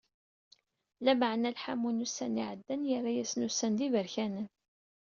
Lameεna lḥamu n wussan iεeddan, yerra-asen ussan d iberkanen.